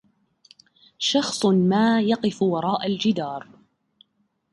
شخص ما يقف وراء الجدار.